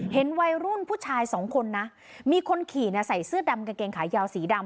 เห็นวัยรุ่นผู้ชายสองคนนะมีคนขี่เนี่ยใส่เสื้อดำกางเกงขายาวสีดำ